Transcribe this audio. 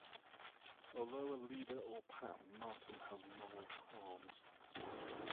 Although a leader or Pan, Martin has moral qualms.